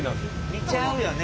見ちゃうよね